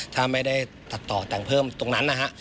ถ้าไม่ได้ตัดต่อแต่งเพิ่มตรงนั้นนะฮะ